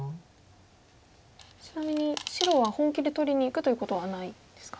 ちなみに白は本気で取りにいくということはないですか。